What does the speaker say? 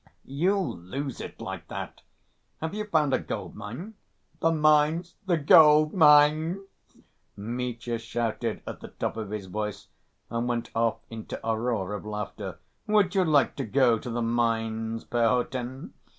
"You'll lose it like that. Have you found a gold‐mine?" "The mines? The gold‐mines?" Mitya shouted at the top of his voice and went off into a roar of laughter. "Would you like to go to the mines, Perhotin?